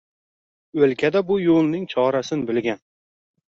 O‘lkada bu yo‘lning chorasin bilgan